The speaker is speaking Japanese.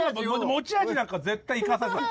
持ち味なんか絶対生かさない。